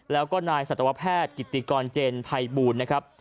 แล้วก็นายสัตวแพทย์กิติกรเจนภัยบูลนะครับ